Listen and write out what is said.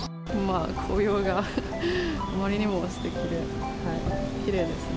紅葉があまりにもすてきで、きれいですね。